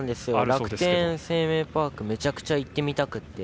楽天生命パークめちゃくちゃ行ってみたくて。